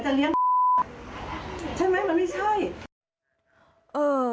จะเลี้ยงใช่ไหมมันไม่ใช่